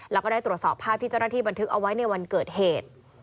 แล้วก็ได้ตรวจสอบภาพที่เจ้าหน้าที่บันทึกเอาไว้ในวันเกิดเหตุ